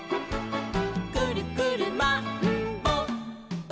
「くるくるマンボウ！」